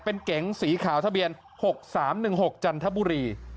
เป็นเก๋งสีขาวทะเบียนหกสามหนึ่งหกจันทบุรี